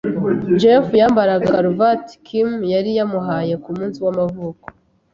Jeff yambaraga karuvati Kim yari yamuhaye kumunsi w'amavuko.